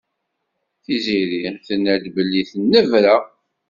Tiziri tenna-d belli tennebra.